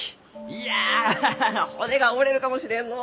いやハハハ骨が折れるかもしれんのう。